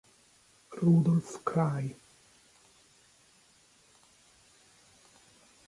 Rudolf Kraj